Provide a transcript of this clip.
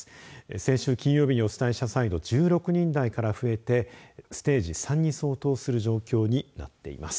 先週金曜日にお伝えした際の１６人台から増えてステージ３に相当する状況になっています。